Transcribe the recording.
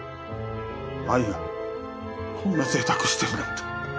愛がこんな贅沢してるなんて。